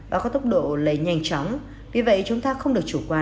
và có tốc độ lây nhanh chóng